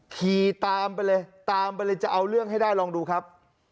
ขี่ตามไปเลยตามไปเลยจะเอาเรื่องให้ได้ลองดูครับ